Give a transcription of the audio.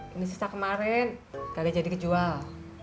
ini sisa kemarin karena jadi kejual